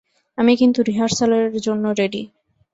আমি কিন্তু রিহার্সালের জন্য রেডি।